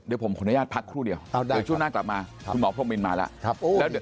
เดี๋ยวผมขออนุญาตพักครู่เดียวเดี๋ยวช่วงหน้ากลับมาคุณหมอพรมมินมาแล้วเดี๋ยว